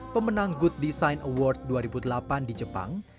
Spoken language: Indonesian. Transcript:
pemenang good design award dua ribu delapan di jepang